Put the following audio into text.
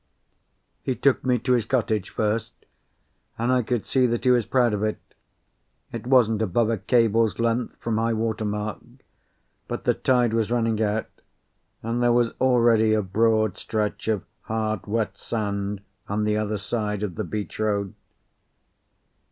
_ He took me to his cottage first, and I could see that he was proud of it. It wasn't above a cable's length from high water mark, but the tide was running out, and there was already a broad stretch of hard, wet sand on the other side of the beach road.